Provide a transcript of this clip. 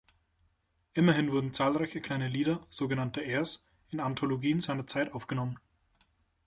Immerhin wurden zahlreiche kleine Lieder, so genannte Airs, in Anthologien seiner Zeit aufgenommen.